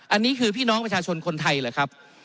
อันนี้คือพี่น้องประชาชนคนไทยเหรอครับ